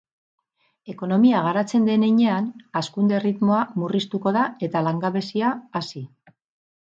Ekonomia garatzen den heinean, hazkunde erritmoa murriztuko da eta langabezia hazi.